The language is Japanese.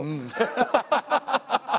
ハハハハ！